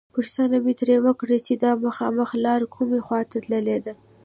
پوښتنه مې ترې وکړه چې دا مخامخ لاره کومې خواته تللې ده.